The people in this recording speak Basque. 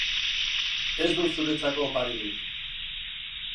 Ez dut zuretzako oparirik.